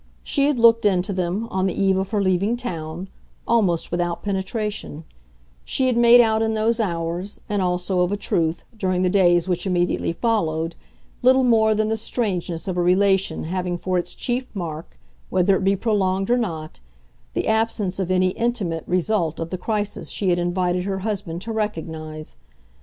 She had looked into them, on the eve of her leaving town, almost without penetration: she had made out in those hours, and also, of a truth, during the days which immediately followed, little more than the strangeness of a relation having for its chief mark whether to be prolonged or not the absence of any "intimate" result of the crisis she had invited her husband to recognise.